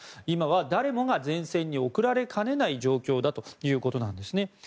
今は誰もが前線に送られかねない状況だということなんですね。